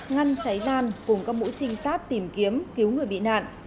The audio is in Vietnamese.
ngăn cháy lan cùng các mũi trinh sát tìm kiếm cứu người bị nạn